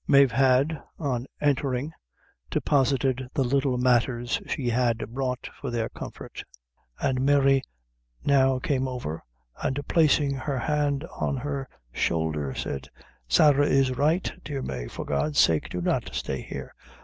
Mave had, on entering, deposited the little matters she had brought for their comfort, and Mary now came over, and placing her hand on her shoulder, said: "Sarah is right, dear Mave; for God's sake do not stay here.